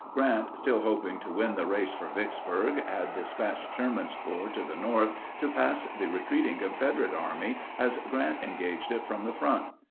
Grant, still hoping to win the race for Vicksburg, had dispatched Sherman's Corps to the north to pass the retreating Confederate Army as Grant engaged it from the front.